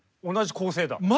同じ構成だ。